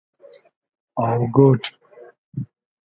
آۆگۉۮ